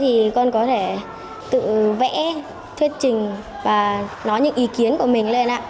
thì con có thể tự vẽ thuyết trình và nói những ý kiến của mình lên ạ